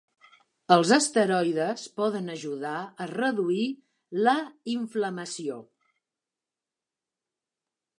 Els esteroides poden ajudar a reduir la inflamació.